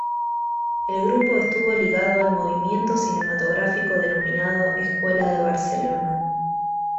El grupo estuvo ligado al movimiento cinematográfico denominado Escuela de Barcelona.